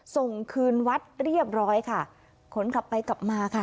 ส่งคืนวัดเรียบร้อยค่ะขนกลับไปกลับมาค่ะ